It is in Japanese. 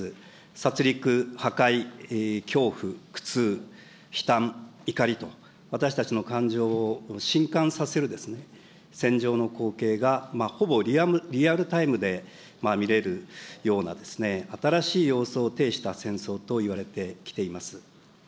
殺りく、破壊、恐怖、苦痛、悲嘆、怒りと、私たちの感情をしんかんさせる戦場の光景が、ほぼリアルタイムで見れるような、新しい様相を呈した戦争といわれてきています。